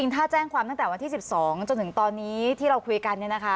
ถ้าแจ้งความตั้งแต่วันที่๑๒จนถึงตอนนี้ที่เราคุยกัน